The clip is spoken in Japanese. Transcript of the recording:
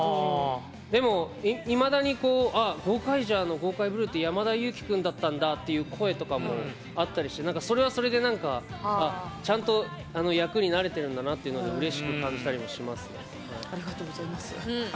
でも、いまだに「ゴーカイジャー」のゴーカイブルーって山田裕貴君だったんだみたいな声もあったりしてそれは、それでちゃんと役になれているんだなっていうのがありがとうございます。